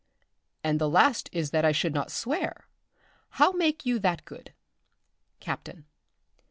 _ And the last is that I should not swear; how make you that good? "_Captain.